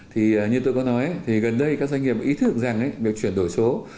thì như tôi có nói thì gần đây các doanh nghiệp ý thức rằng việc chuyển đổi số